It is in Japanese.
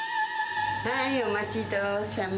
はい、お待ちどおさま。